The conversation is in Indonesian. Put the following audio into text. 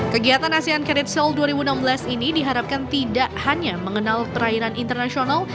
kegiatan asean cared sale dua ribu enam belas ini diharapkan tidak hanya mengenal perairan internasional